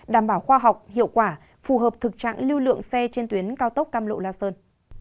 đảm bảo khoa học hiệu quả phù hợp thực trạng lưu lượng xe trên tuyến cao tốc cam lộ la sơn